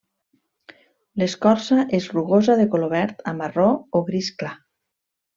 L'escorça és rugosa de color verd a marró o gris clar.